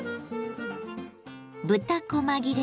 豚こま切れ